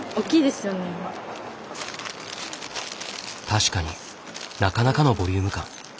確かになかなかのボリューム感。